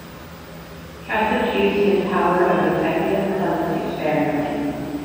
Kasich used his power of executive clemency sparingly.